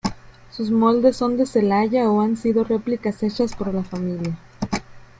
Sus moldes son de Celaya o han sido replicas hechas por la familia.